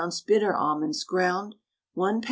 bitter almonds (ground), 1 lb.